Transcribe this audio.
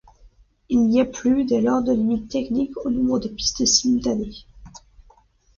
Il n'y a plus, dès lors, de limite technique au nombre de pistes simultanées.